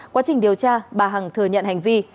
quá trình điều tra bà hằng thừa nhận hành vi